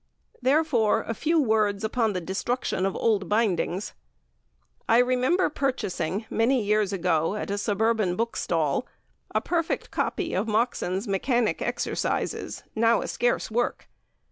Therefore, a few words upon the destruction of old bindings. I remember purchasing many years ago at a suburban book stall, a perfect copy of Moxon's Mechanic Exercises, now a scarce work.